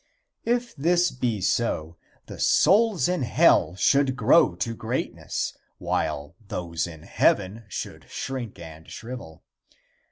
If this be so, the souls in hell should grow to greatness, while those in heaven should shrink and shrivel.